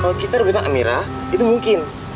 kalo kita udah beritahu amira itu mungkin